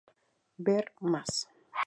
Ver más.